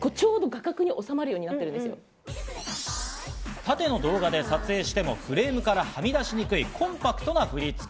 縦の動画で撮影してもフレームからはみ出しにくいコンパクトな振り付け。